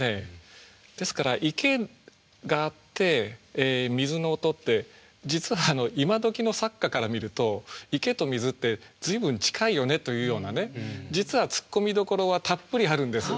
ですから池があって水の音って実は今どきの作家から見ると池と水って随分近いよねというようなね実は突っ込みどころはたっぷりあるんです。